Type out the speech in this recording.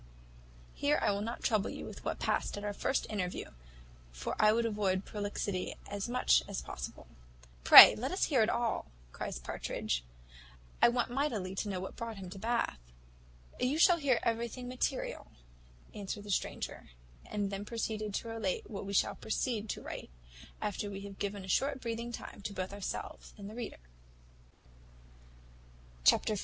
Here I will not trouble you with what past at our first interview; for I would avoid prolixity as much as possible." "Pray let us hear all," cries Partridge; "I want mightily to know what brought him to Bath." "You shall hear everything material," answered the stranger; and then proceeded to relate what we shall proceed to write, after we have given a short breathing time to both ourselves and the reader. Chapter xiv.